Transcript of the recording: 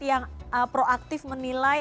yang proaktif menilai